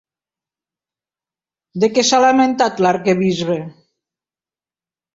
De què s'ha lamentat l'arquebisbe?